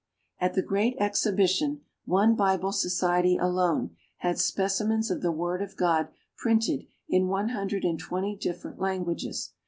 At the Great Exhibition one Bible Society alone had specimens of the Word of God printed in one hundred and twenty different languages.